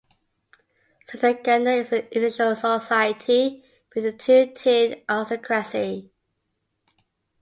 Cetaganda is an unusual society with a two-tiered aristocracy.